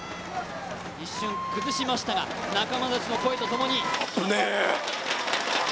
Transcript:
一瞬、崩しましたが仲間たちの声とともにあっぶねぇ。